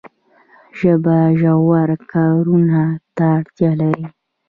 ژبه ژورو کارونو ته اړتیا لري.